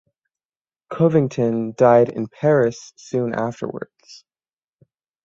Covington died in Paris soon afterwards.